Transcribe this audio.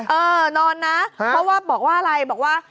เออนอนนะเพราะว่าบอกว่าอะไรบอกว่า